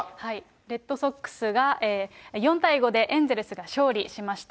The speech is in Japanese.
レッドソックスが、４対５でエンゼルスが勝利しました。